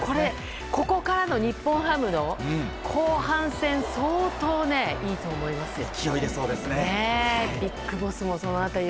ここからの日本ハムの後半戦相当いいと思いますよ。